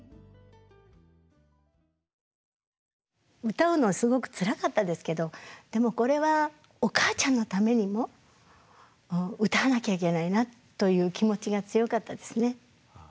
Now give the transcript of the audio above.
歌うのはすごくつらかったですけどでもこれはおかあちゃんのためにも歌わなきゃいけないなという気持ちが強かったですね。